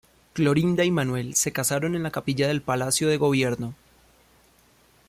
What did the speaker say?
Clorinda y Manuel se casaron en la capilla del Palacio de Gobierno.